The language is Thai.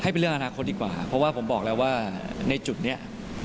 เป็นเรื่องอนาคตดีกว่าเพราะว่าผมบอกแล้วว่าในจุดนี้